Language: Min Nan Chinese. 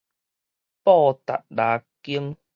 布達拉宮